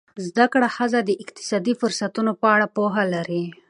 زده کړه ښځه د اقتصادي فرصتونو په اړه پوهه لري.